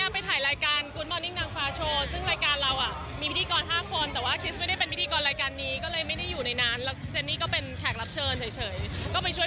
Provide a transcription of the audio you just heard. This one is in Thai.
ผมต้องชวนไปอยู่แล้ว